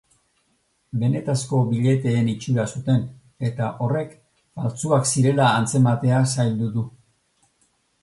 Benetazko billeteen itxura zuten eta horrek faltsuak zirela antzematea zaildu du.